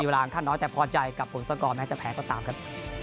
มีเวลาขั้นน้อยแต่พอใจกับผลสร้างกรแม้จะแพ้ก็ตามครับ